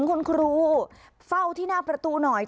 คุณครูเฝ้าที่หน้าประตูหน่อย